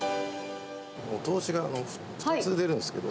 お通しが２つ出るんですけど。